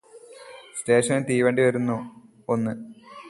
സ്റ്റേഷനില് തീവണ്ടി വരുന്ന ഒന്ന്